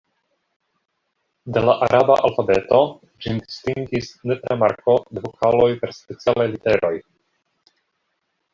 De la araba alfabeto ĝin distingis nepra marko de vokaloj per specialaj literoj.